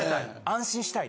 安心したい。